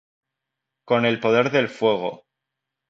Con el poder del fuego.